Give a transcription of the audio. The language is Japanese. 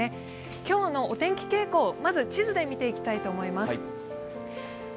今日のお天気傾向、まず地図で見ていきたいと思います。